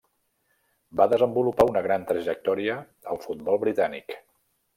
Va desenvolupar una gran trajectòria al futbol britànic.